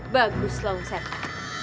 bagus loh seta